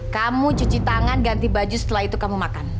kamu cuci tangan ganti baju setelah itu kamu makan